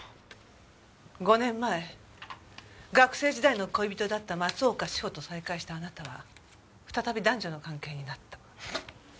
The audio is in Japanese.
５年前学生時代の恋人だった松岡志保と再会したあなたは再び男女の関係になった。